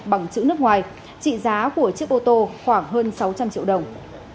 bằng chữ nước ngoài trị giá của chiếc ô tô khoảng hơn sáu trăm linh triệu đồng